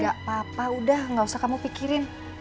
gak apa apa udah gak usah kamu pikirin